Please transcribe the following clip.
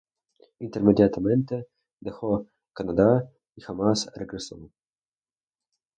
Inmediatamente dejó Canadá y jamás regresó.